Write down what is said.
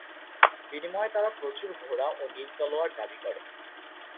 বিনিময়ে তারা প্রচুর ঘোড়া ও নীল তলোয়ার দাবি করে।